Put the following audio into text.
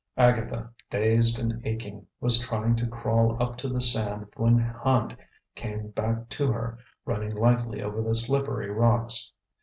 Agatha, dazed and aching, was trying to crawl up to the sand when Hand came back to her, running lightly over the slippery rocks.